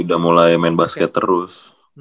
udah mulai main basket terus